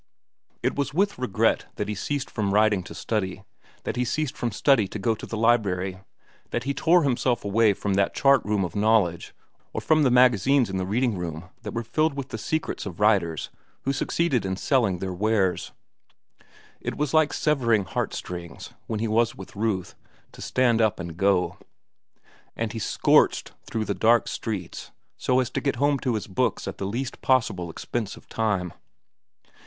It was with regret that he ceased from writing to study, that he ceased from study to go to the library, that he tore himself away from that chart room of knowledge or from the magazines in the reading room that were filled with the secrets of writers who succeeded in selling their wares. It was like severing heart strings, when he was with Ruth, to stand up and go; and he scorched through the dark streets so as to get home to his books at the least possible expense of time.